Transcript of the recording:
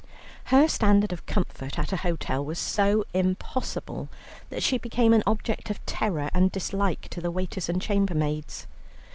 Her standard of comfort at a hotel was so impossible that she became an object of terror and dislike to the waiters and chambermaids.